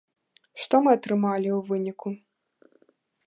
Што мы атрымалі ў выніку?